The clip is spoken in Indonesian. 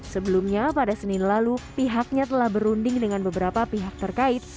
sebelumnya pada senin lalu pihaknya telah berunding dengan beberapa pihak terkait